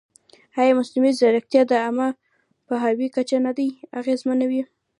ایا مصنوعي ځیرکتیا د عامه پوهاوي کچه نه اغېزمنوي؟